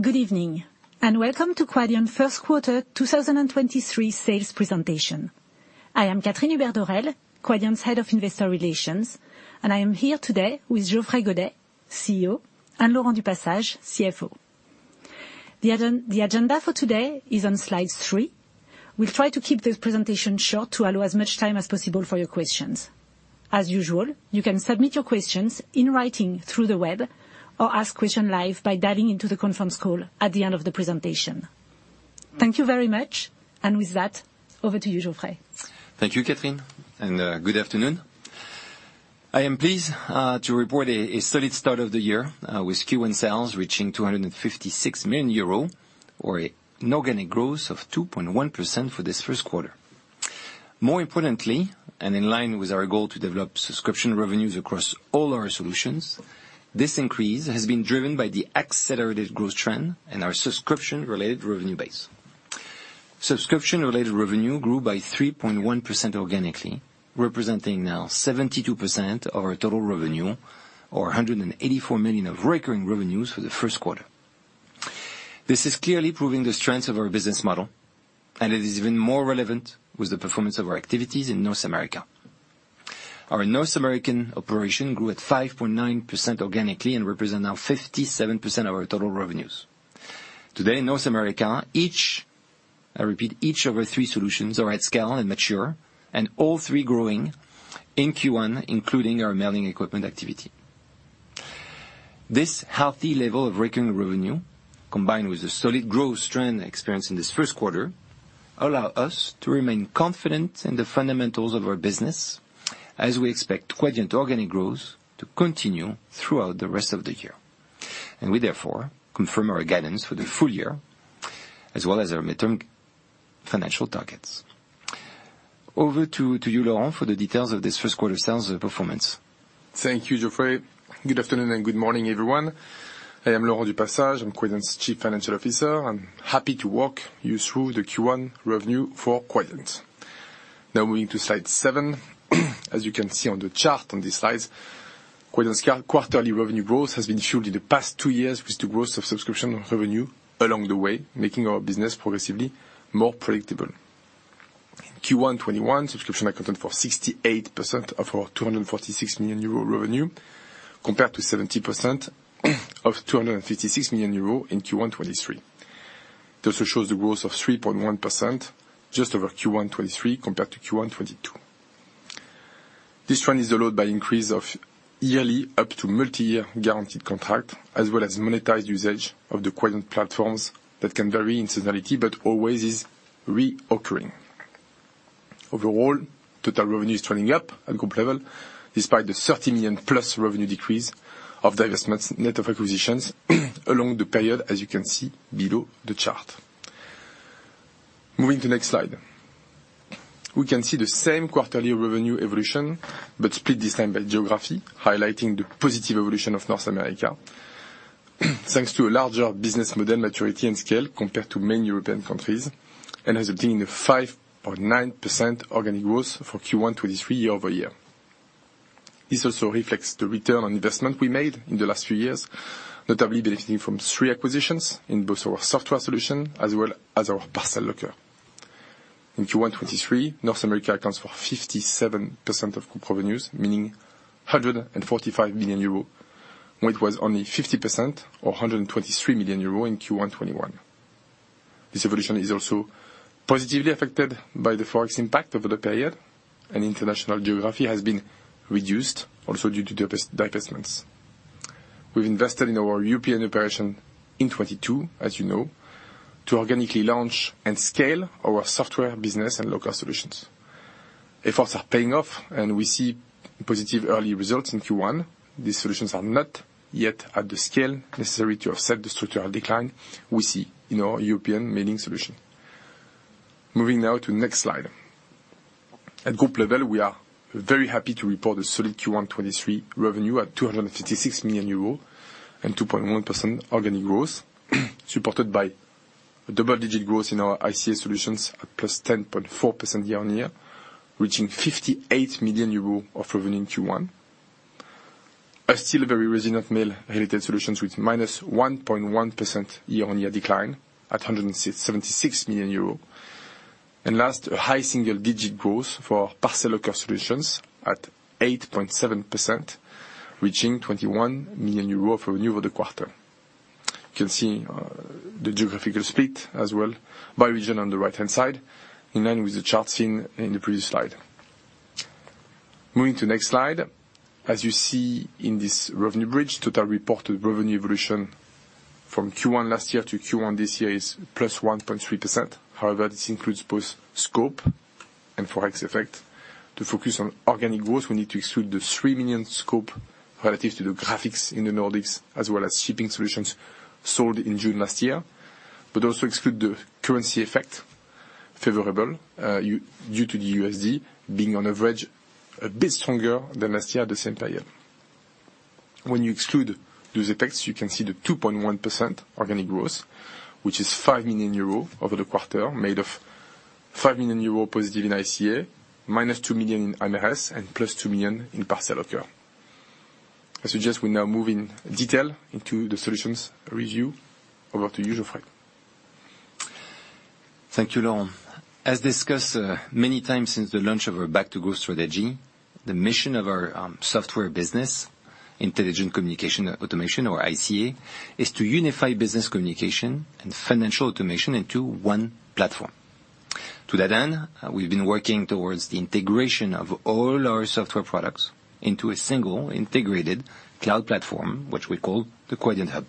Good Evening, and Welcome to Quadient First Quarter 2023 sales presentation. I am Catherine Hubert-Dorel, Quadient's Head of Investor Relations, and I am here today with Geoffrey Godet, CEO, and Laurent du Passage, CFO. The agenda for today is on slide three. We'll try to keep this presentation short to allow as much time as possible for your questions. As usual, you can submit your questions in writing through the web, or ask question live by dialing into the conference call at the end of the presentation. Thank you very much, and with that, over to you, Geoffrey. Thank you, Catherine, and good afternoon. I am pleased to report a solid start of the year, with Q1 sales reaching 256 million euro, or a Organic Growth of 2.1% for this first quarter. More importantly, and in line with our goal to develop subscription revenues across all our solutions, this increase has been driven by the accelerated growth trend in our Subscription-Related Revenue base. Subscription-Related Revenue grew by 3.1% organically, representing now 72% of our total revenue, or 184 million of recurring revenues for the first quarter. This is clearly proving the strength of our business model, and it is even more relevant with the performance of our activities in North America. Our North American operation grew at 5.9% organically and represent now 57% of our total revenues. Today, North America each, I repeat, each of our three solutions are at scale and mature, all three growing in Q1, including our mailing equipment activity. This healthy level of recurring revenue, combined with the solid growth trend experienced in this first quarter, allow us to remain confident in the fundamentals of our business as we expect Quadient Organic Growth to continue throughout the rest of the year. We therefore confirm our guidance for the full year, as well as our midterm financial targets. Over to you, Laurent, for the details of this first quarter sales performance. Thank you, Geoffrey. Good afternoon and good morning everyone. I am Laurent du Passage, I'm Quadient's Chief Financial Officer. I'm happy to walk you through the Q1 revenue for Quadient. Moving to slide seven. As you can see on the chart on this slide, Quadient's quarterly revenue growth has been fueled in the past two years with the growth of subscription revenue along the way, making our business progressively more predictable. Q1 2021, subscription accounted for 68% of our 246 million euro revenue, compared to 70% of 256 million euro in Q1 2023. This also shows the growth of 3.1% just over Q1 2023 compared to Q1 2022. This trend is allowed by increase of yearly up to multi-year guaranteed contract, as well as monetized usage of the Quadient platforms that can vary in seasonality, but always is recurring. Overall, total revenue is trending up at group level despite the +30 million revenue decrease of divestments net of acquisitions along the period, as you can see below the chart. Moving to next slide. We can see the same quarterly revenue evolution, but split this time by geography, highlighting the positive evolution of North America thanks to a larger business model maturity and scale compared to many European countries, and resulting in a 5.9% Organic Growth for Q1 2023 year-over-year. This also reflects the return on investment we made in the last few years, notably benefiting from three acquisitions in both our software solution as well as our parcel locker. In Q1 2023, North America accounts for 57% of group revenues, meaning 145 million euro, when it was only 50%, or 123 million euro, in Q1 2021. This evolution is also positively affected by the forex impact over the period. International geography has been reduced also due to divestments. We've invested in our European operation in 2022, as you know, to organically launch and scale our software business and local solutions. Efforts are paying off. We see positive early results in Q1. These solutions are not yet at the scale necessary to offset the structural decline we see in our European mailing solution. Moving now to next slide. At group level, we are very happy to report a solid Q1 2023 revenue at 256 million euros and 2.1% Organic Growth, supported by a double-digit growth in our ICA solutions at +10.4% year-on-year, reaching 58 million euros of revenue in Q1. A still very resilient Mail-Related Solutions with -1.1% year-on-year decline at 176 million euro. Last, a high single-digit growth for Parcel Locker Solutions at 8.7%, reaching 21 million euros of revenue for the quarter. You can see the geographical split as well by region on the right-hand side, in line with the chart seen in the previous slide. Moving to next slide. As you see in this revenue bridge, total reported revenue evolution from Q1 last year to Q1 this year is +1.3%. However, this includes both scope and forex effect. To focus on Organic Growth, we need to exclude the 3 million scope relative to the graphics in the Nordics, as well as shipping solutions sold in June last year, but also exclude the currency effect, favorable, due to the USD being on average a bit stronger than last year at the same period. When you exclude those effects, you can see the 2.1% Organic Growth, which is 5 million euro over the quarter, made of +5 million euro in ICA, -2 million in MRS, and +2 million in Parcel Locker. I suggest we now move in detail into the solutions review. Over to you, Geoffrey. Thank you, Laurent as discussed, many times since the launch of our back to growth strategy, the mission of our software business, Intelligent Communication Automation, or ICA, is to unify business communication and financial automation into one platform. We've been working towards the integration of all our software products into a single integrated cloud platform, which we call the Quadient Hub.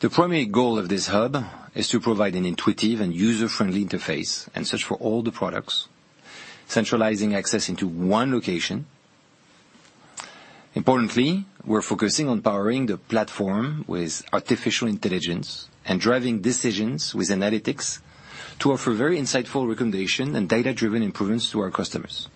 The primary goal of this hub is to provide an intuitive and user-friendly interface and search for all the products, centralizing access into one location. Importantly, we're focusing on powering the platform with artificial intelligence and driving decisions with analytics to offer very insightful recommendation and data-driven improvements to our customers.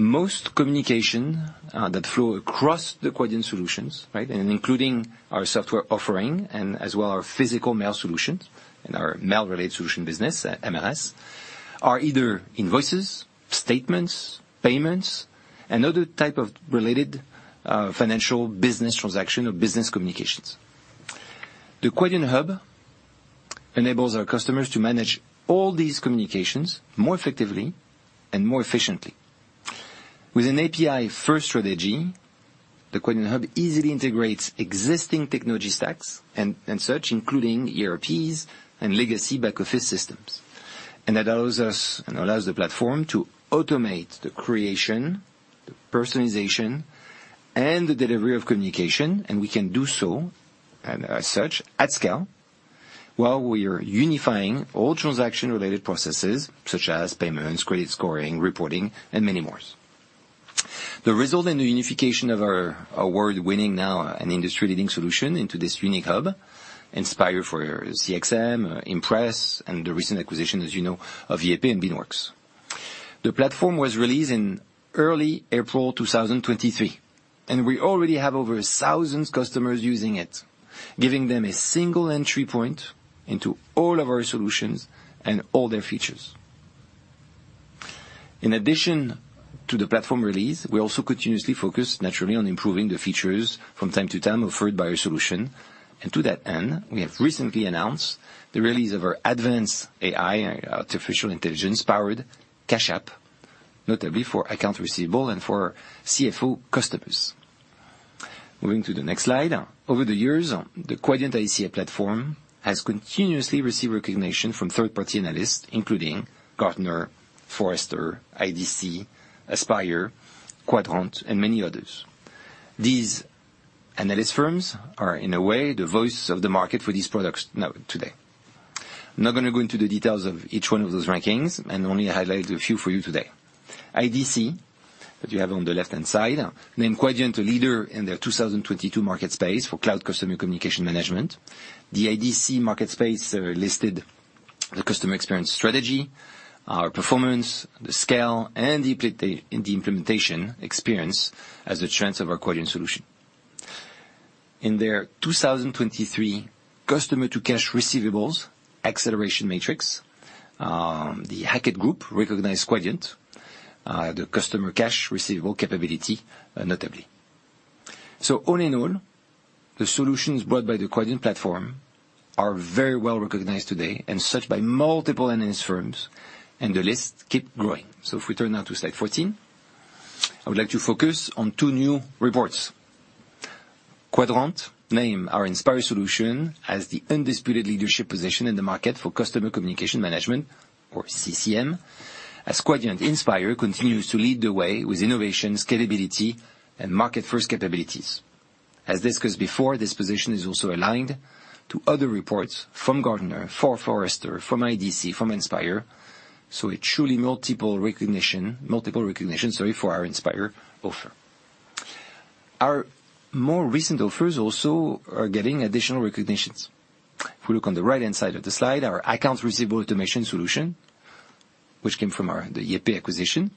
Most communication that flow across the Quadient solutions, right, and including our software offering and as well, our physical mail solutions and our Mail-Related Solutions business, MLS, are either invoices, statements, payments, and other type of related financial business transaction or business communications. The Quadient Hub enables our customers to manage all these communications more effectively and more efficiently. With an API-first strategy, the Quadient Hub easily integrates existing technology stacks and such, including ERPs and legacy back-office systems. That allows us, allows the platform to automate the creation, the personalization, and the delivery of communication, we can do so as such, at scale, while we are unifying all transaction-related processes such as payments, credit scoring, reporting, and many more. The result in the unification of our award-winning, now an industry-leading solution into this unique hub, Inspire for CXM, Impress, and the recent acquisition, as you know, of YayPay and Beanworks. The platform was released in early April 2023, and we already have over 1,000 customers using it, giving them a single entry point into all of our solutions and all their features. In addition to the platform release, we also continuously focus naturally on improving the features from time to time offered by our solution. To that end, we have recently announced the release of our advanced AI, artificial intelligence-powered Cash App, notably for accounts receivable and for CFO customers. Moving to the next slide. Over the years, the Quadient ICA platform has continuously received recognition from third-party analysts, including Gartner, Forrester, IDC, Aspire, Quadrant, and many others. These analyst firms are, in a way, the voice of the market for these products now, today. I'm not gonna go into the details of each one of those rankings, only highlight a few for you today. IDC, that you have on the left-hand side, named Quadient a leader in their 2022 MarketScape for Cloud Customer Communications Management. The IDC MarketScape listed the customer experience strategy, our performance, the scale, and the implementation experience as a strength of our Quadient solution. In their 2023 Customer-to-Cash, Receivables Excelleration Matrix, The Hackett Group recognized Quadient the customer-to-cash receivable capability, notably. All in all, the solutions brought by the Quadient platform are very well recognized today and searched by multiple analyst firms, and the list keep growing. If we turn now to slide 14, I would like to focus on two new reports. Quadrant named our Inspire solution as the undisputed leadership position in the market for Customer Communications Management, or CCM, as Quadient Inspire continues to lead the way with innovation, scalability, and market-first capabilities. As discussed before, this position is also aligned to other reports from Gartner, for Forrester, from IDC, from Inspire, a truly multiple recognition, sorry, for our Inspire offer. Our more recent offers also are getting additional recognitions. If we look on the right-hand side of the slide, our account receivable automation solution, which came from our, the YayPay acquisition,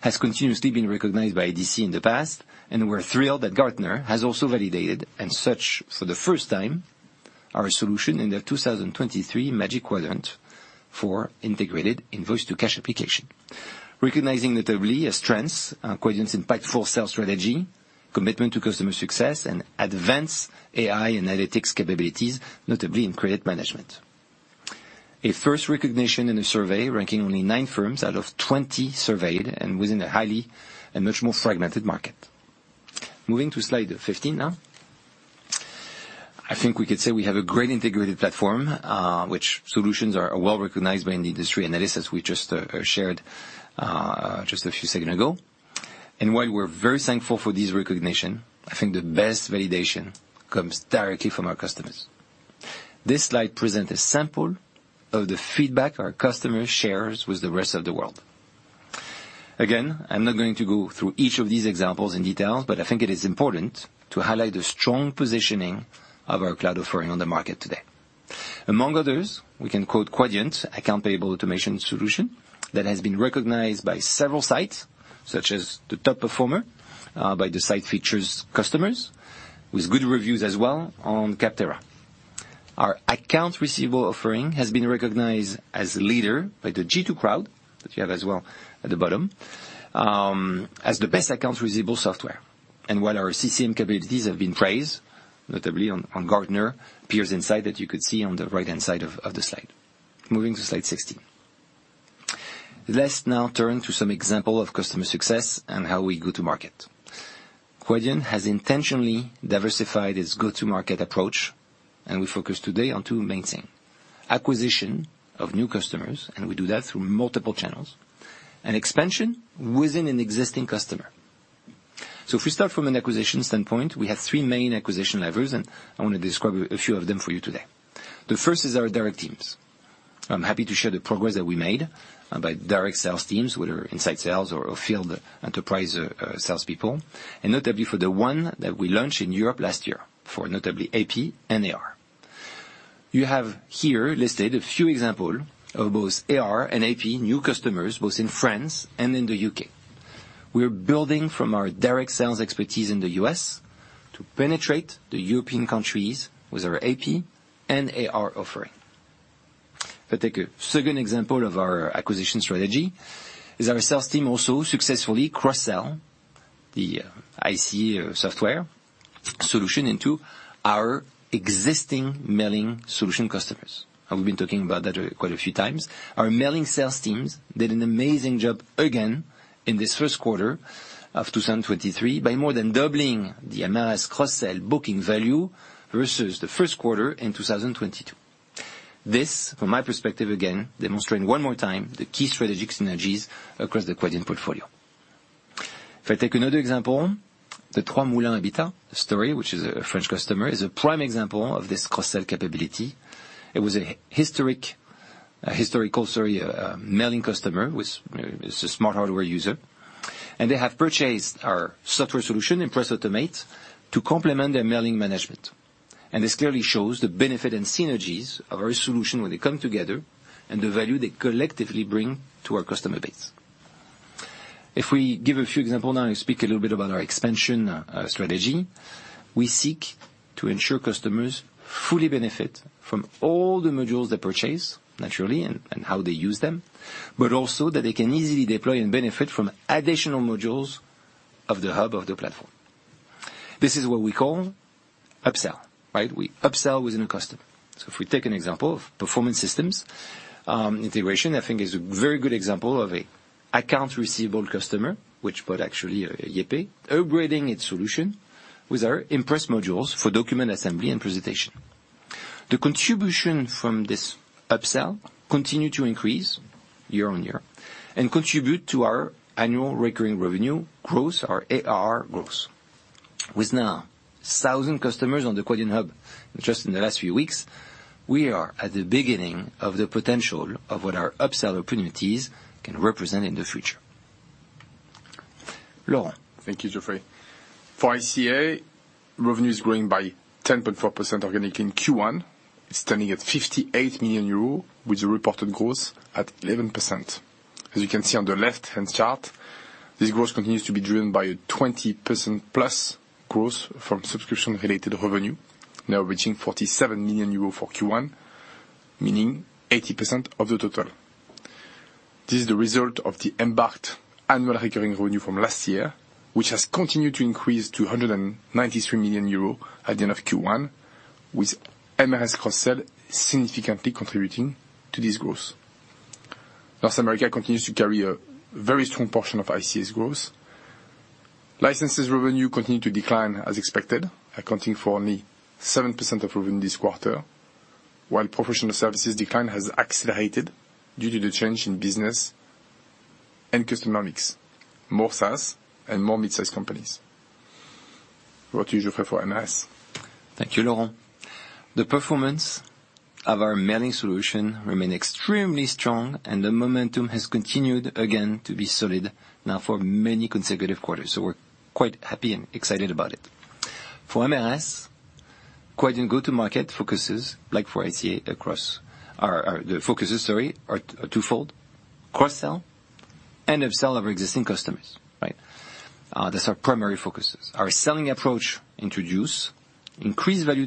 has continuously been recognized by IDC in the past, and we're thrilled that Gartner has also validated and searched for the first time our solution in their 2023 Magic Quadrant for Integrated Invoice-to-Cash Applications. Recognizing notably a strength, Quadient's impactful sales strategy, commitment to customer success, and advanced AI analytics capabilities, notably in credit management. A first recognition in a survey ranking only nine firms out of 20 surveyed and within a highly and much more fragmented market. Moving to slide 15 now. I think we could say we have a great integrated platform, which solutions are well-recognized by the industry analysts, as we just shared just a few seconds ago. While we're very thankful for this recognition, I think the best validation comes directly from our customers. This slide presents a sample of the feedback our customer shares with the rest of the world. Again, I'm not going to go through each of these examples in detail, but I think it is important to highlight the strong positioning of our cloud offering on the market today. Among others, we can quote Quadient Accounts Payable Automation that has been recognized by several sites, such as the top performer, by the site FeaturedCustomers, with good reviews as well on Capterra. Our accounts receivable offering has been recognized as leader by the G2 Crowd, that you have as well at the bottom, as the best accounts receivable software. While our CCM capabilities have been praised, notably on Gartner Peer Insights that you could see on the right-hand side of the slide. Moving to slide 16. Let's now turn to some example of customer success and how we go to market. Quadient has intentionally diversified its go-to-market approach, and we focus today on two main thing: acquisition of new customers, and we do that through multiple channels, and expansion within an existing customer. If we start from an acquisition standpoint, we have three main acquisition levers, and I want to describe a few of them for you today. The first is our direct teams. I'm happy to share the progress that we made by direct sales teams, whether inside sales or field enterprise salespeople, and notably for the one that we launched in Europe last year, for notably AP and AR. You have here listed a few examples of both AR and AP new customers, both in France and in the U.K. We are building from our direct sales expertise in the U.S. to penetrate the European countries with our AP and AR offering. If I take a second example of our acquisition strategy, is our sales team also successfully cross-sell the ICA software solution into our existing mailing solution customers. I've been talking about that quite a few times. Our mailing sales teams did an amazing job again in this first quarter of 2023 by more than doubling the MRS cross-sell booking value versus the first quarter in 2022. This, from my perspective, again, demonstrating one more time the key strategic synergies across the Quadient portfolio. If I take another example, the Trois Moulins Habitat story, which is a French customer, is a prime example of this cross-sell capability. It was a historical mailing customer, which is a smart hardware user. They have purchased our software solution, Impress Automate, to complement their mailing management. This clearly shows the benefit and synergies of our solution when they come together and the value they collectively bring to our customer base. If we give a few example now and speak a little bit about our expansion strategy, we seek to ensure customers fully benefit from all the modules they purchase, naturally, and how they use them. Also that they can easily deploy and benefit from additional modules of the hub of the platform. This is what we call upsell, right? We upsell within a customer. If we take an example of Performance Systems Integration, I think, is a very good example of a Accounts Receivable customer, which but actually YayPay, upgrading its solution with our Impress modules for document assembly and presentation. The contribution from this upsell continue to increase year-over-year and contribute to our Annual Recurring Revenue growth, our AR growth. With now 1,000 customers on the Quadient Hub just in the last few weeks, we are at the beginning of the potential of what our upsell opportunities can represent in the future. Laurent? Thank you, Geoffrey for ICA, revenue is growing by 10.4% organic in Q1. It's standing at 58 million euros, with a reported growth at 11%. As you can see on the left-hand chart, this growth continues to be driven by a +20% growth from Subscription-Related Revenue, now reaching 47 million euros for Q1, meaning 80% of the total. This is the result of the embarked Annual Recurring Revenue from last year, which has continued to increase to 193 million euro at the end of Q1, with MRS cross-sell significantly contributing to this growth. North America continues to carry a very strong portion of ICA's growth. Licenses revenue continue to decline as expected, accounting for only 7% of revenue this quarter, while professional services decline has accelerated due to the change in business and customer mix. More SaaS and more mid-sized companies. Over to you, Geoffrey, for MRS. Thank you, Laurent the performance of our mailing solution remain extremely strong, and the momentum has continued again to be solid now for many consecutive quarters, so we're quite happy and excited about it. For MRS, Quadient go to market focuses, like for ICA, across the focuses, sorry, are twofold: cross-sell and upsell our existing customers, right? That's our primary focuses. Our selling approach introduce increased value to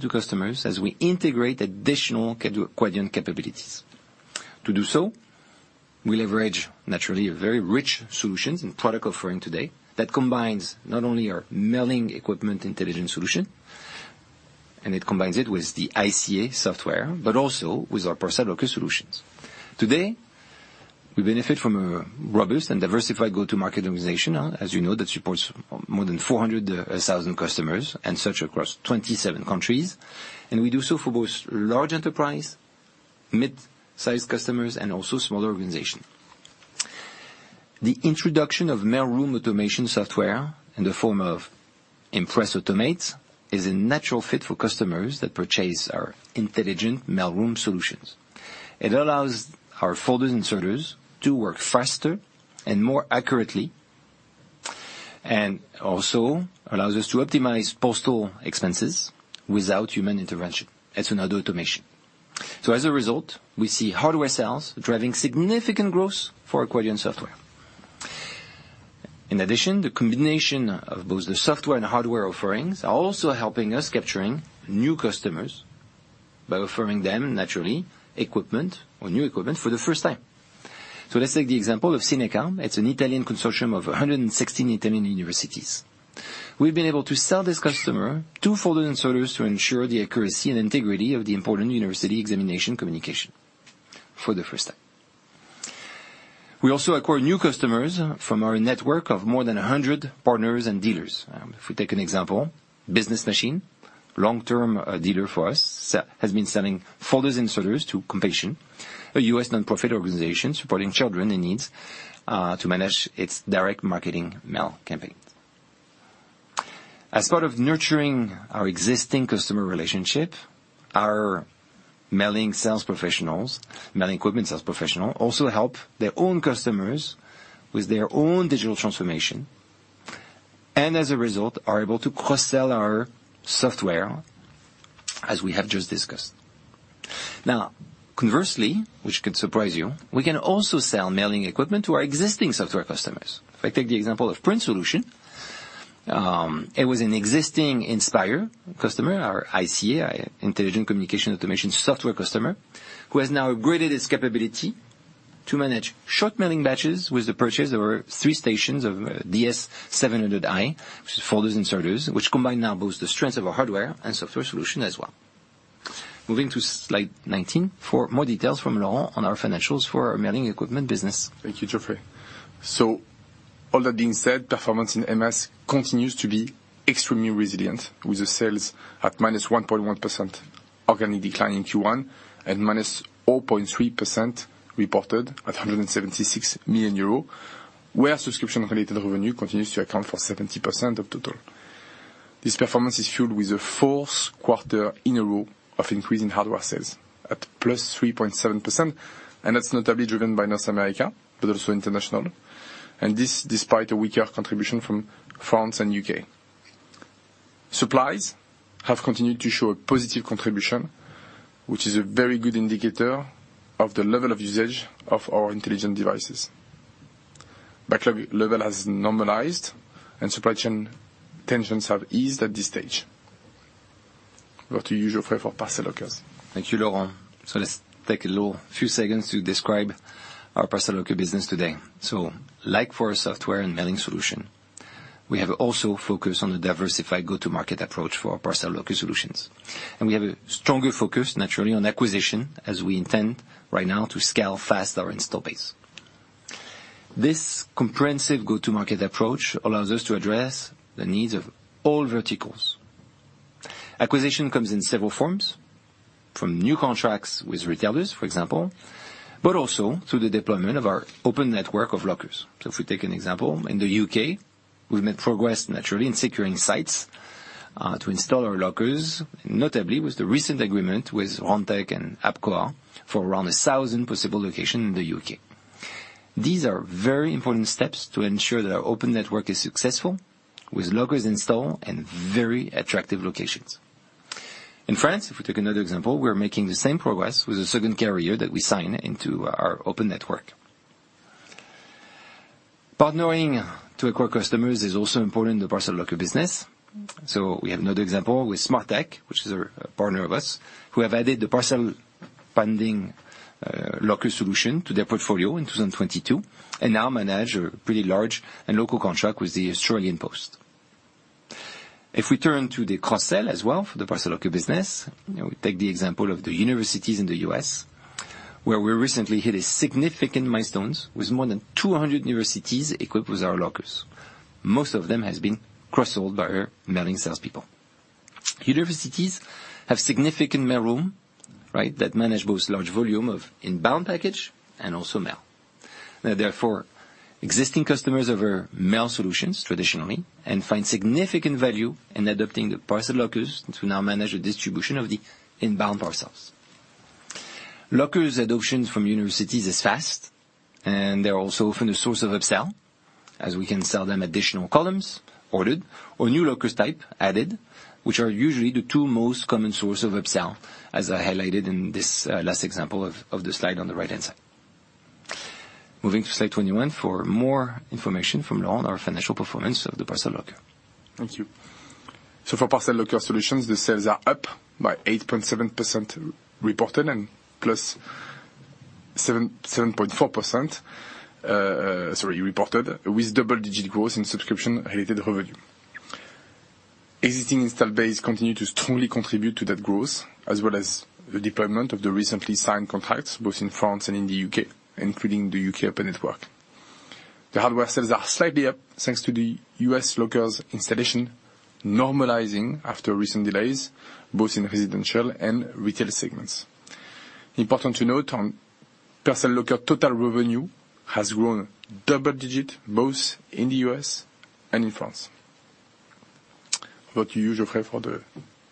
customers as we integrate additional Quadient capabilities. To do so, we leverage, naturally, a very rich solutions and product offering today that combines not only our mailing equipment intelligence solution, and it combines it with the ICA software, but also with our parcel solutions. Today, we benefit from a robust and diversified go-to-market organization, as you know, that supports more than 400,000 customers and search across 27 countries, and we do so for both large enterprise, mid-sized customers, and also smaller organizations. The introduction of mail room automation software in the form of Impress Automate is a natural fit for customers that purchase our intelligent mail room solutions. It allows our folders and sorters to work faster and more accurately, and also allows us to optimize postal expenses without human intervention. It's another automation. As a result, we see hardware sales driving significant growth for Quadient software. In addition, the combination of both the software and hardware offerings are also helping us capturing new customers by offering them, naturally, equipment or new equipment for the first time. Let's take the example of Cineca. It's an Italian consortium of 116 Italian universities. We've been able to sell this customer two folders and sorters to ensure the accuracy and integrity of the important university examination communication for the first time. We also acquire new customers from our network of more than 100 partners and dealers. If we take an example, Major Business Machines, long-term dealer for us, has been selling folders and sorters to Competition, a U.S. nonprofit organization supporting children in needs, to manage its direct marketing mail campaign. As part of nurturing our existing customer relationship, our mailing sales professionals, mailing equipment sales professional, also help their own customers with their own digital transformation, as a result, are able to cross-sell our software, as we have just discussed. Now, conversely, which could surprise you, we can also sell mailing equipment to our existing software customers. If I take the example of Print Solution, it was an existing Inspire customer, our ICA, Intelligent Communication Automation, software customer, who has now upgraded its capability to manage short mailing batches with the purchase. There were three stations of DS-700 iQ, which is folders and sorters, which combine now both the strengths of our hardware and software solution as well. Moving to slide 19 for more details from Laurent on our financials for our mailing equipment business. Thank you, Geoffrey so all that being said, performance in MS continues to be extremely resilient, with the sales at -1.1% organic decline in Q1 and -0.3% reported at 176 million euro, where Subscription-Related Revenue continues to account for 70% of total. This performance is fueled with a fourth quarter in a row of increasing hardware sales at +3.7%, that's notably driven by North America, also international, this despite a weaker contribution from France and U.K. Supplies have continued to show a positive contribution, which is a very good indicator of the level of usage of our intelligent devices. Backlog level has normalized, and supply chain tensions have eased at this stage. Over to you Geoffrey, for parcel lockers. Thank you, Laurent let's take a little few seconds to describe our parcel locker business today. Like for our software and mailing solution, we have also focused on a diversified go-to-market approach for our Parcel Locker Solutions, and we have a stronger focus, naturally, on acquisition, as we intend right now to scale fast our install base. This comprehensive go-to-market approach allows us to address the needs of all verticals. Acquisition comes in several forms, from new contracts with retailers, for example, but also through the deployment of our open network of lockers. If we take an example, in the U.K., we've made progress, naturally, in securing sites to install our lockers, notably with the recent agreement with Rontec and APCOA for around 1,000 possible locations in the U.K. These are very important steps to ensure that our open network is successful, with lockers installed in very attractive locations. In France, if we take another example, we're making the same progress with a second carrier that we sign into our open network. Partnering to acquire customers is also important in the parcel locker business, we have another example with SMARTECH, which is a partner of us, who have added the Parcel Pending by Quadient locker solution to their portfolio in 2022 and now manage a pretty large and local contract with the Australia Post. If we turn to the cross-sell as well for the parcel locker business, you know, we take the example of the universities in the U.S, where we recently hit a significant milestones with more than 200 universities equipped with our lockers. Most of them has been cross-sold by our mailing salespeople. Universities have significant mailroom, right? That manage both large volume of inbound package and also mail. They are therefore existing customers of our mail solutions, traditionally, and find significant value in adopting the parcel lockers to now manage the distribution of the inbound parcels. Lockers adoptions from universities is fast, and they're also often a source of upsell, as we can sell them additional columns ordered or new lockers type added, which are usually the two most common source of upsell, as I highlighted in this last example of the slide on the right-hand side. Moving to slide 21 for more information from Laurent, our financial performance of the parcel locker. Thank you. For Parcel Locker Solutions, the sales are up by 8.7% reported, +7.4% reported, with double-digit growth in Subscription-Related Revenue. Existing install base continue to strongly contribute to that growth, as well as the deployment of the recently signed contracts both in France and in the U.K. including the U.K. open network. The hardware sales are slightly up, thanks to the U.S. lockers installation, normalizing after recent delays, both in residential and retail segments. Important to note on parcel locker, total revenue has grown double digit both in the U.S. and in France. Over to you, Geoffrey, for the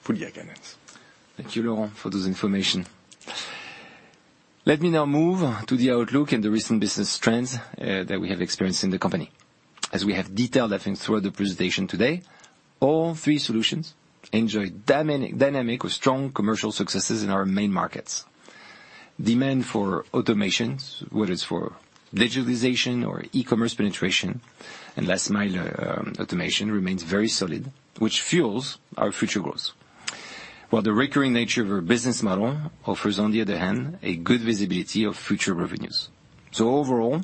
full year guidance. Thank you, Laurent for this information. Let me now move to the outlook and the recent business trends that we have experienced in the company. As we have detailed throughout the presentation today, all three solutions enjoy dynamic with strong commercial successes in our main markets. Demand for automations, whether it's for digitalization or e-commerce penetration, and last mile automation remains very solid, which fuels our future growth. While the recurring nature of our business model offers, on the other hand, a good visibility of future revenues. Overall,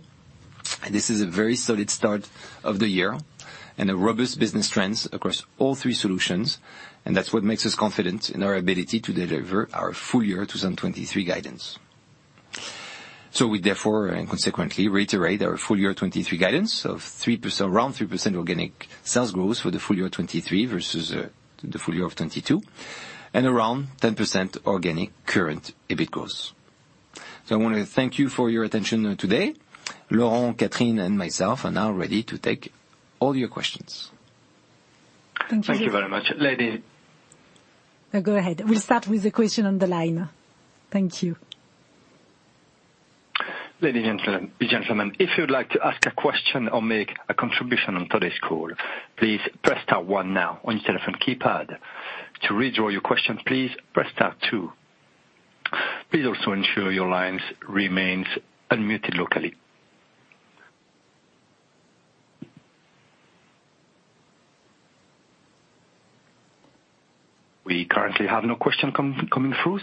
this is a very solid start of the year and a robust business trends across all three solutions, and that's what makes us confident in our ability to deliver our full year 2023 guidance. We therefore and consequently reiterate our full year 2023 guidance of around 3% organic sales growth for the full year 2023 versus the full year of 2022, and around 10% organic current EBIT growth. I want to thank you for your attention today. Laurent, Catherine, and myself are now ready to take all your questions. Thank you. Thank you very much. No, go ahead. We'll start with the question on the line. Thank you. Ladies and gentlemen, if you'd like to ask a question or make a contribution on today's call, please press star one now on your telephone keypad. To withdraw your question, please press star two. Please also ensure your lines remains unmuted locally. We currently have no question coming through.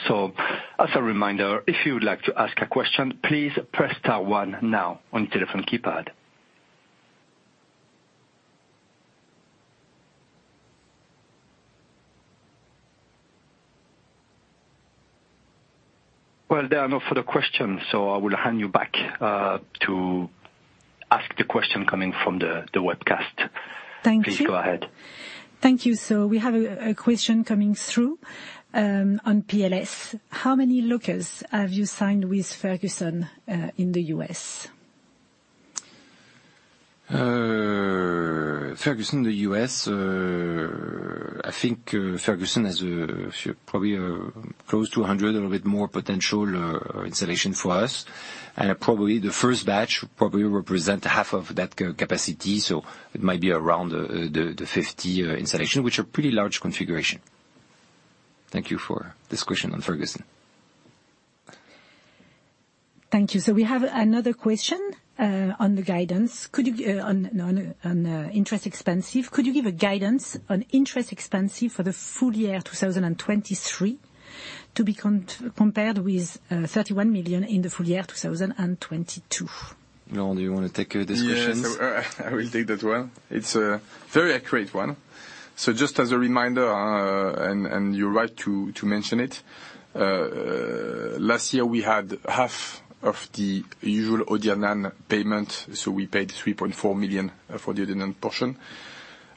As a reminder, if you would like to ask a question, please press star one now on your telephone keypad. There are no further questions, so I will hand you back to ask the question coming from the webcast. Thank you. Please go ahead. Thank you. We have a question coming through, on PLS. How many lockers have you signed with Ferguson, in the U.S? Ferguson in the U.S, I think Ferguson probably close to 100, a little bit more potential installation for us. And probably the first batch probably represent half of that capacity, so it might be around the 50 installation, which are pretty large configuration. Thank you for this question on Ferguson. Thank you. We have another question on the guidance. Could you give a guidance on interest expensive for the full year 2023, to be compared with 31 million in the full year 2022? Laurent, do you want to take this question? Yes, I will take that one. It's a very accurate one. Just as a reminder, and you're right to mention it, last year we had half of the usual ORNANE payment, we paid 3.4 million for the ORNANE portion.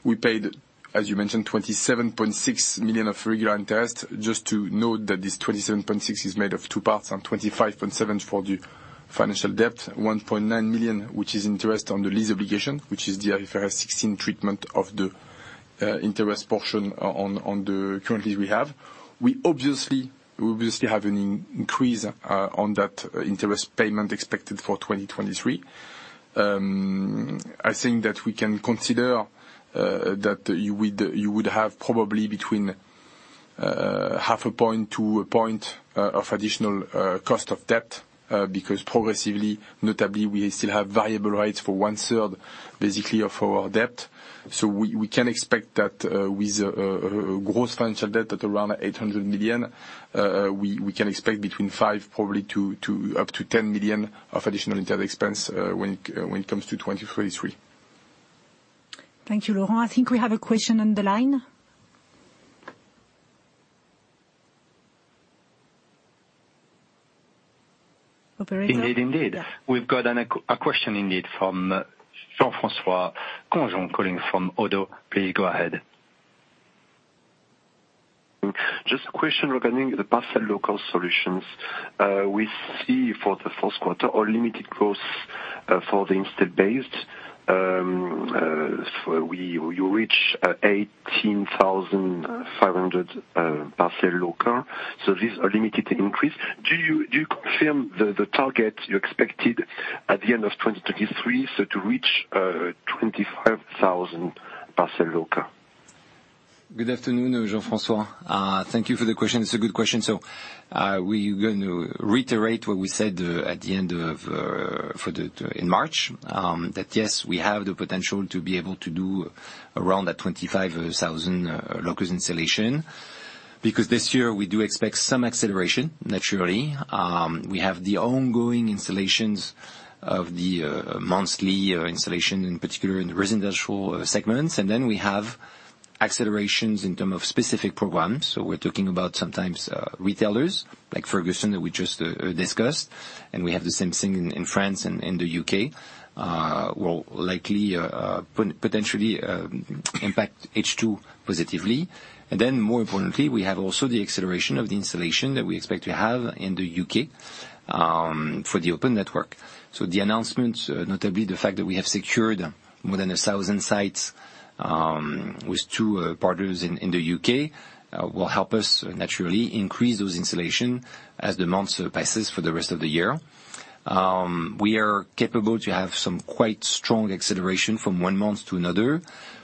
We paid, as you mentioned, 27.6 million of regular interest. Just to note that this 27.6 is made of two parts: 25.7 for the financial debt, 1.9 million, which is interest on the lease obligation, which is the IFRS 16 treatment of the interest portion on the current lease we have. We obviously have an increase on that interest payment expected for 2023. I think that we can consider that you would have probably between half a point to a point of additional cost of debt because progressively, notably, we still have variable rates for one-third, basically, of our debt. We can expect that with gross financial debt at around 800 million, we can expect between 5 million-10 million of additional interest expense when it comes to 2023. Thank you Laurent. I think we have a question on the line. Operator? Indeed. We've got a question indeed from Jean-François Granjon, calling from ODDO. Please go ahead. Just a question regarding the Parcel Locker Solutions. We see for the first quarter a limited growth for the install base. So you reach 18,500 parcel lockers, so this a limited increase. Do you confirm the target you expected at the end of 2023, so to reach 25,000 parcel lockers? Good afternoon, Jean-François. Thank you for the question. It's a good question. We're going to reiterate what we said at the end of for the, in March. That, yes, we have the potential to be able to do around that 25,000 lockers installation, because this year we do expect some acceleration, naturally. We have the ongoing installations of the monthly installation, in particular in the residential segments, we have accelerations in term of specific programs. We're talking about sometimes retailers like Ferguson, that we just discussed, and we have the same thing in France and in the U.K. Will likely potentially impact H2 positively. More importantly, we have also the acceleration of the installation that we expect to have in the U.K. for the open network. The announcements, notably the fact that we have secured more than 1,000 sites, with two partners in the U.K, will help us naturally increase those installation as the months passes for the rest of the year. We are capable to have some quite strong acceleration from one month to another.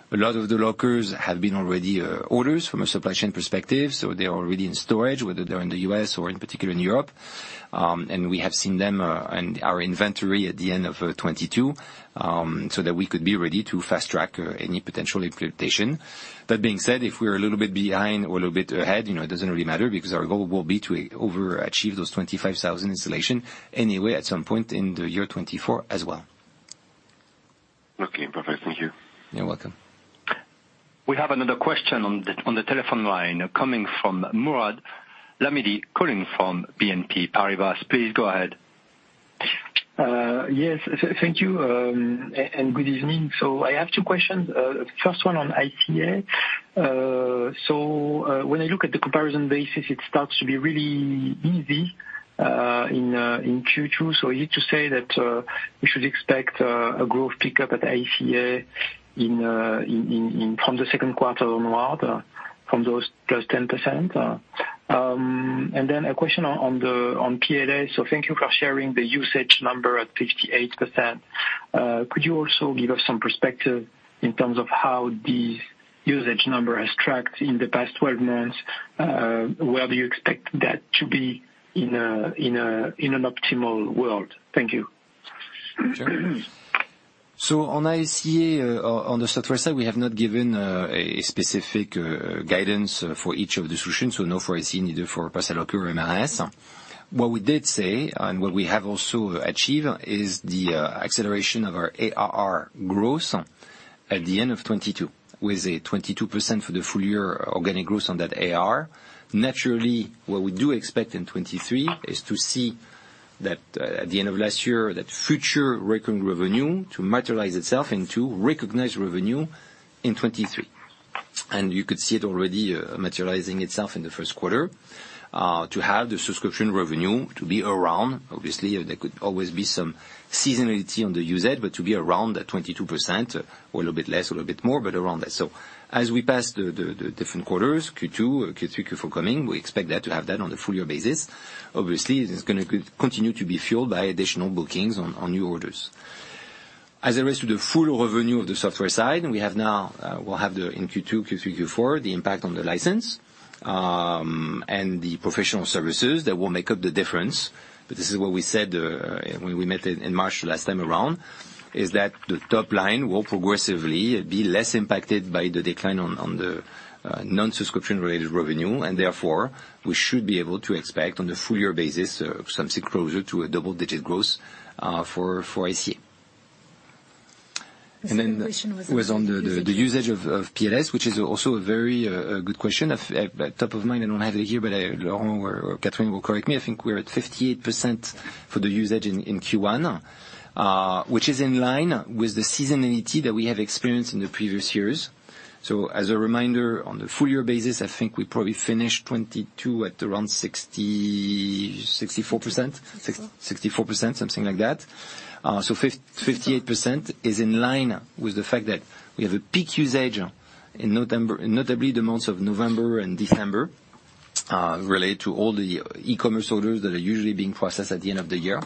A lot of the lockers have been already orders from a supply chain perspective, so they are already in storage, whether they're in the U.S or in particular, in Europe. We have seen them in our inventory at the end of 2022, so that we could be ready to fast-track any potential implementation. That being said, if we're a little bit behind or a little bit ahead, you know, it doesn't really matter, because our goal will be to overachieve those 25,000 installation anyway at some point in the year 2024 as well. Okay, perfect. Thank you. You're welcome. We have another question on the, on the telephone line coming from Mourad Lahmidi, calling from BNP Paribas. Please go ahead. Yes, thank you, and good evening I have two questions. First one on ICA. When I look at the comparison basis, it starts to be really easy in Q2. Are you to say that we should expect a growth pickup at ICA from the second quarter onward, from those +10%? Then a question on PLS. Thank you for sharing the usage number at 58%. Could you also give us some perspective in terms of how the usage number has tracked in the past 12 months? Where do you expect that to be in an optimal world? Thank you. On ICA, on the software side, we have not given a specific guidance for each of the solutions, no, for ICA, neither for Parcel Locker or MRS. What we did say, and what we have also achieved, is the acceleration of our ARR growth at the end of 2022, with a 22% for the full year Organic Growth on that ARR. Naturally, what we do expect in 2023 is to see that, at the end of last year, that future recurring revenue to materialize itself into recognized revenue in 2023. You could see it already materializing itself in the first quarter. To have the subscription revenue to be around, obviously, there could always be some seasonality on the usage, but to be around 22% or a little bit less, a little bit more, but around that. As we pass the different quarters, Q2, Q3, Q4 coming, we expect that to have that on a full year basis. Obviously, it's gonna continue to be fueled by additional bookings on new orders. As it relates to the full revenue of the software side, we'll have the in Q2, Q3, Q4, the impact on the license and the professional services that will make up the difference. This is what we said when we met in March last time around, is that the top line will progressively be less impacted by the decline on the non-subscription-related revenue, and therefore, we should be able to expect, on a full year basis, something closer to a double-digit growth for ICA. The second question was on... Was on the usage of PLS, which is also a very good question. Of top of mind, I don't have it here, but Laurent or Catherine will correct me, I think we're at 58% for the usage in Q1, which is in line with the seasonality that we have experienced in the previous years. As a reminder, on the full year basis, I think we probably finished 2022 at around 60%-64%. 64% 64%, something like that. 58% is in line with the fact that we have a peak usage in November, notably the months of November and December, related to all the e-commerce orders that are usually being processed at the end of the year.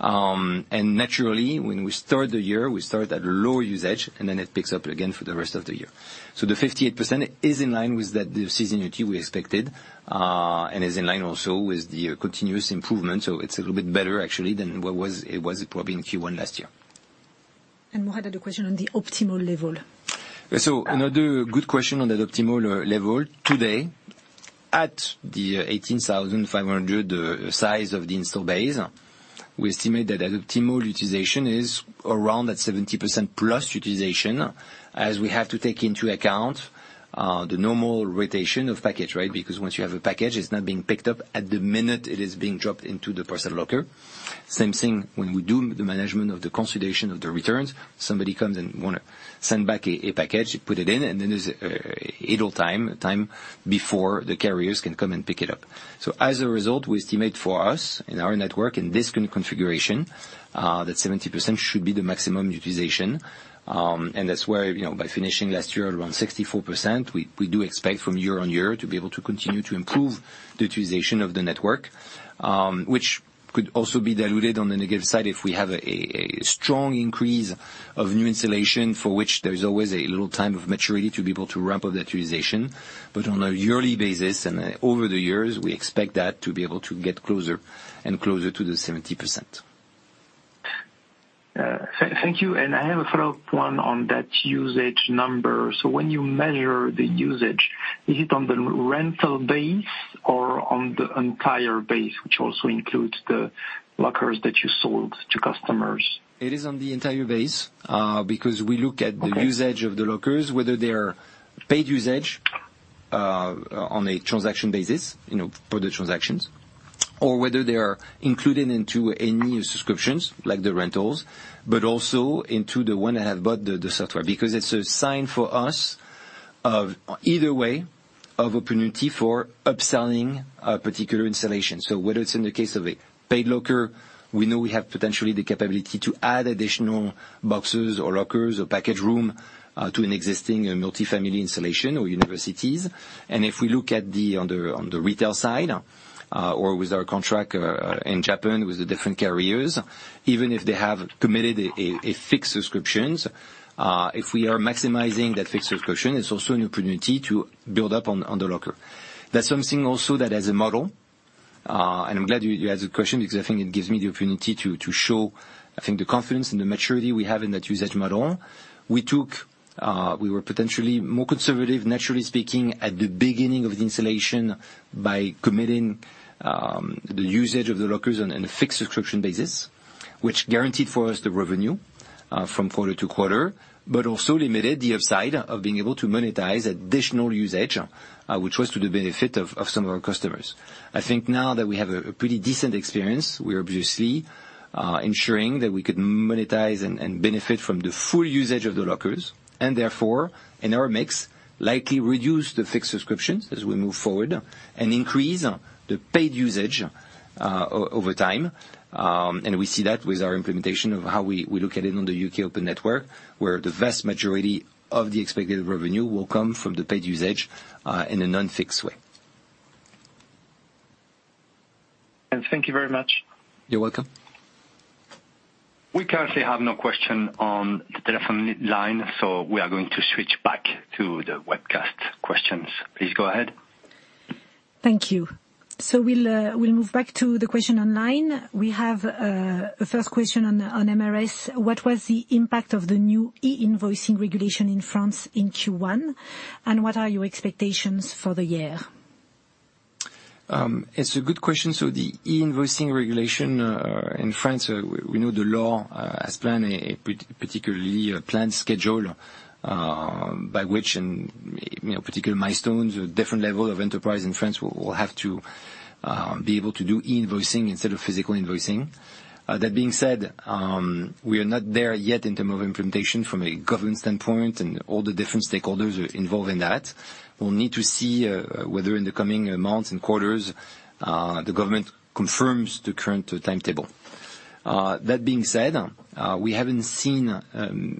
Naturally, when we start the year, we start at lower usage, and then it picks up again for the rest of the year. The 58% is in line with that, the seasonality we expected, and is in line also with the continuous improvement. It's a little bit better actually than what was probably in Q1 last year. Mourad, the question on the optimal level. Another good question on that optimal level. Today, at the 18,500 size of the install base, we estimate that an optimal utilization is around that +70% utilization, as we have to take into account the normal rotation of package, right? Because once you have a package, it's not being picked up at the minute, it is being dropped into the parcel locker. Same thing when we do the management of the consolidation of the returns. Somebody comes and wanna send back a package, they put it in, and then there's a idle time before the carriers can come and pick it up. As a result, we estimate for us, in our network, in this configuration, that 70% should be the maximum utilization. That's where, you know, by finishing last year around 64%, we do expect from year-on-year to be able to continue to improve the utilization of the network, which could also be diluted on the negative side if we have a strong increase of new installation, for which there is always a little time of maturity to be able to ramp up the utilization. But on a yearly basis and over the years, we expect that to be able to get closer and closer to the 70%. Thank you, and I have a follow-up point on that usage number. When you measure the usage, is it on the rental base or on the entire base, which also includes the lockers that you sold to customers? It is on the entire base, because we look. Okay... the usage of the lockers, whether they are paid usage, on a transaction basis, you know, for the transactions, or whether they are included into any subscriptions, like the rentals, but also into the one that have bought the software. Because it's a sign for us of either way, of opportunity for upselling a particular installation. So whether it's in the case of a paid locker, we know we have potentially the capability to add additional boxes or lockers or package room, to an existing multifamily installation or universities. And if we look at the, on the, on the retail side, or with our contract, in Japan, with the different carriers, even if they have committed a fixed subscriptions, if we are maximizing that fixed subscription, it's also an opportunity to build up on the locker. That's something also that as a model, and I'm glad you asked the question because I think it gives me the opportunity to show, I think, the confidence and the maturity we have in that usage model. We took, we were potentially more conservative, naturally speaking, at the beginning of the installation, by committing the usage of the lockers on an fixed subscription basis, which guaranteed for us the revenue, from quarter to quarter, but also limited the upside of being able to monetize additional usage, which was to the benefit of some of our customers. I think now that we have a pretty decent experience, we are obviously ensuring that we could monetize and benefit from the full usage of the lockers, and therefore, in our mix, likely reduce the fixed subscriptions as we move forward and increase the paid usage over time. We see that with our implementation of how we look at it on the U.K open network, where the vast majority of the expected revenue will come from the paid usage in a non-fixed way. Thank you very much. You're welcome. We currently have no question on the telephone line, so we are going to switch back to the webcast questions. Please go ahead. Thank you. We'll move back to the question online. We have a first question on the MRS. What was the impact of the new e-invoicing regulation in France in Q1? What are your expectations for the year? It's a good question. The e-invoicing regulation in France, we know the law has planned a particularly planned schedule by which in, you know, particular milestones, with different level of enterprise in France will have to be able to do e-invoicing instead of physical invoicing. That being said, we are not there yet in term of implementation from a government standpoint, and all the different stakeholders are involved in that. We'll need to see whether in the coming months and quarters the government confirms the current timetable. That being said, we haven't seen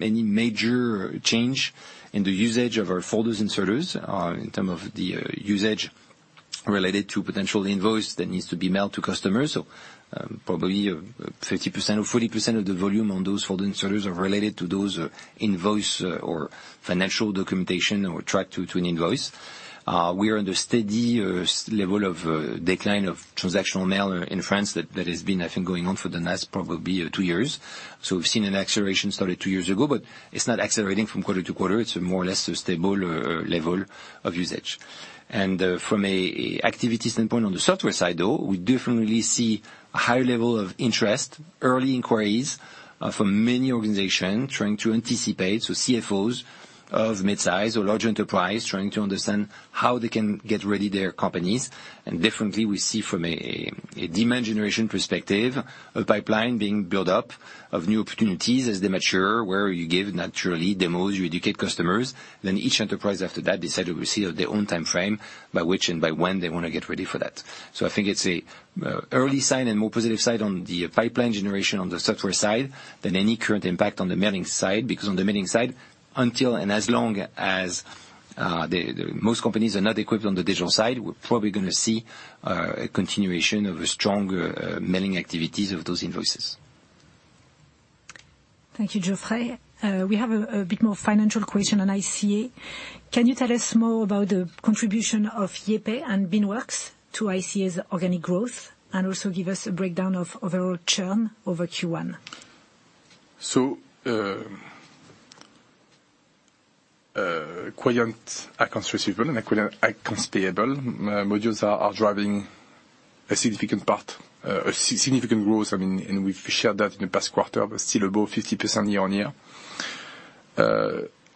any major change in the usage of our folders and sorters in term of the usage related to potential invoice that needs to be mailed to customers. Probably 50% or 40% of the volume on those folder and sorters are related to those invoice or financial documentation, or tracked to an invoice. We are under steady level of decline of transactional mail in France. That has been, I think, going on for the last probably two years. We've seen an acceleration started two years ago, but it's not accelerating from quarter to quarter. It's more or less a stable level of usage. From an activity standpoint, on the software side, though, we definitely see a high level of interest, early inquiries from many organization trying to anticipate. CFOs of mid-size or large enterprise, trying to understand how they can get ready their companies. Definitely we see from a demand generation perspective, a pipeline being built up of new opportunities as they mature, where you give naturally demos, you educate customers, then each enterprise after that, decide to receive their own time frame by which and by when they want to get ready for that. I think it's an early sign and more positive side on the pipeline generation on the software side, than any current impact on the mailing side, because on the mailing side, until and as long as most companies are not equipped on the digital side, we're probably gonna see a continuation of a strong mailing activities of those invoices. Thank you, Geoffrey. We have a bit more financial question on ICA. Can you tell us more about the contribution of YayPay and Beanworks to ICA's Organic Growth, and also give us a breakdown of overall churn over Q1? client accounts receivable and accounts payable modules are driving a significant part, significant growth, I mean, and we've shared that in the past quarter, but still above 50% year-on-year.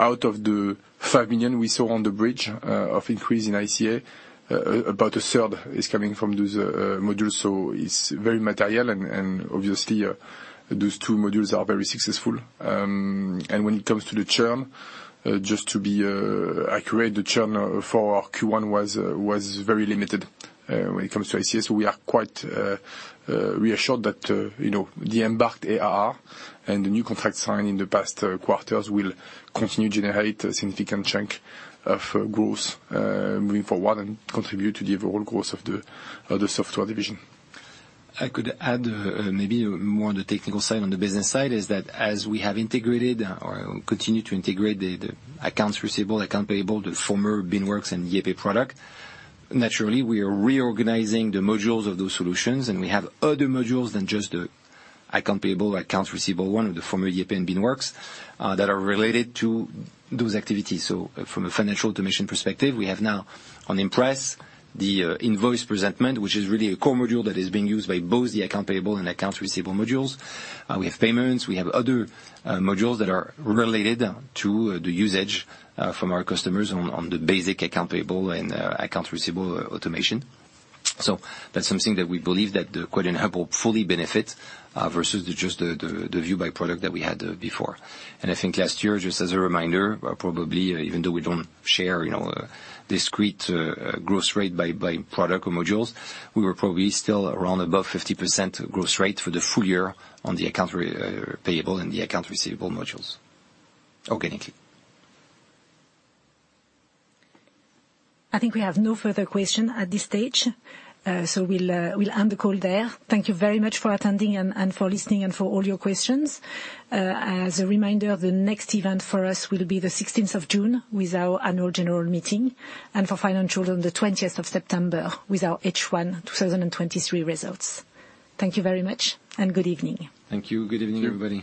Out of the 5 million we saw on the bridge, of increase in ICA, about a third is coming from those modules, so it's very material and obviously, those two modules are very successful. When it comes to the churn, just to be accurate, the churn for Q1 was very limited when it comes to ICA. We are quite reassured that, you know, the embarked ARR and the new contract signed in the past quarters will continue to generate a significant chunk of growth moving forward and contribute to the overall growth of the software division. I could add, maybe more on the technical side, on the business side, is that as we have integrated or continue to integrate the Accounts Receivable, Accounts Payable, the former Beanworks and YayPay product, naturally, we are reorganizing the modules of those solutions, and we have other modules than just the Accounts Payable, Accounts Receivable, one of the former YayPay and Beanworks, that are related to those activities. From a financial automation perspective, we have now on Impress the invoice presentment, which is really a core module that is being used by both the Accounts Payable and Accounts Receivable modules. We have payments, we have other modules that are related to the usage from our customers on the basic Accounts Payable and Accounts Receivable automation. That's something that we believe that the Quadient Hub will fully benefit versus the, just the, the view by product that we had before. I think last year, just as a reminder, probably, even though we don't share, you know, discrete growth rate by product or modules, we were probably still around above 50% growth rate for the full year on the account payable and the account receivable modules, organically. I think we have no further question at this stage, we'll end the call there. Thank you very much for attending and for listening, and for all your questions. As a reminder, the next event for us will be the 16th of June with our annual general meeting, for financial, on the 20th of September with our H1-2023 results. Thank you very much. Good evening. Thank you. Good evening, everybody.